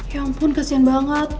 ya ampun kasian banget